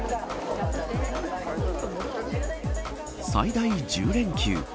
最大１０連休。